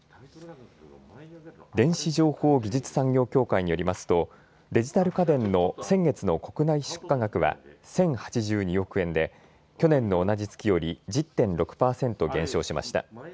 電子情報技術産業協会によりますとデジタル家電の先月の国内出荷額は１０８２億円で去年の同じ月より１０．６％減少しました。